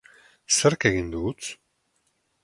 Zerk egin du huts?